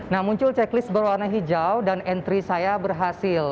nah muncul checklist berwarna hijau dan entry saya berhasil